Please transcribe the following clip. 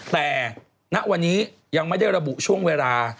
แต่ณวันนี้ยังไม่ได้ระบุช่วงเวลา